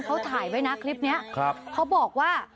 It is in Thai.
เขาถ่ายไว้นะคลิปนี้เขาบอกว่า